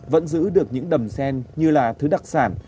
vẫn giữ được những đầm sen như là thứ đặc sản